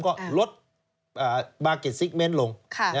ก็ลดบาร์เก็ตซิกเมนต์ลง